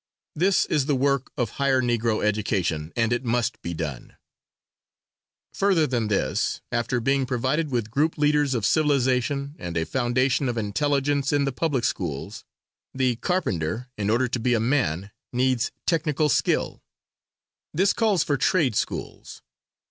This is the work of higher Negro education and it must be done. Further than this, after being provided with group leaders of civilization, and a foundation of intelligence in the public schools, the carpenter, in order to be a man, needs technical skill. This calls for trade schools.